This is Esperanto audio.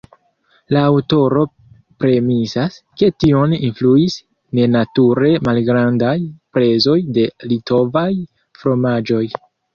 La aŭtoro premisas, ke tion influis nenature malgrandaj prezoj de litovaj fromaĝoj.